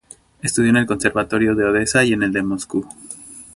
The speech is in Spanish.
Estudió en el Conservatorio de Odesa y en el de Moscú.